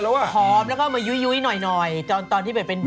หอมแล้วก็มายุยหน่อย